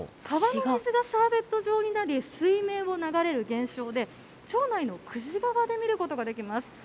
川の水がシャーベット状になり、水面を流れる現象で、町内の久慈川で見ることができます。